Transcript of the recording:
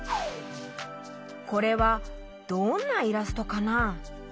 これはどんなイラストかな？